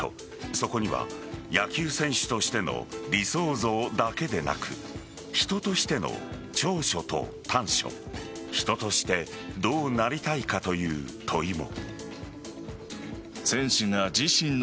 そこには、野球選手としての理想像だけでなく人としての長所と短所人としてどうなりたいかという問いも。